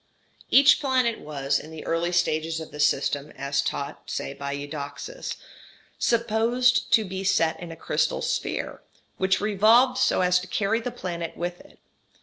Each planet was, in the early stages of this system, as taught, say, by Eudoxus, supposed to be set in a crystal sphere, which revolved so as to carry the planet with it.